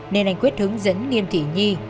nên anh quyết hướng dẫn nhiêm thị nhi